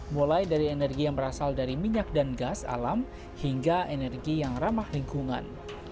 mulai dari energi yang berasal dari minyak dan gas alam hingga energi yang ramah lingkungan